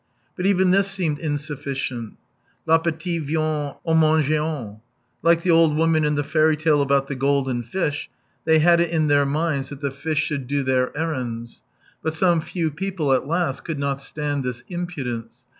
But even this seemed insufficient. VappHit vient en mangeant. Like the old woman in the fairy tale about the golden fish, they had it in their minds that the fish should 1$ do their errands. But some lew people at last could not stand this impudence.